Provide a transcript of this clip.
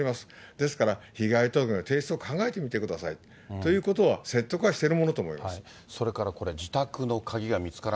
ですから被害届の提出を考えてみてくださいということを説得はしそれからこれ、自宅の鍵が見